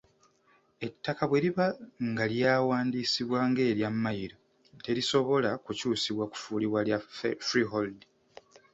Ettaka bwe liba nga lyawandiisibwa ng’erya Mmayiro, terisobola kukyusibwa kufuulibwa lya freehold.